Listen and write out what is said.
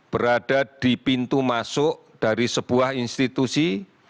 berada di pintu masuk dari sebuah institusi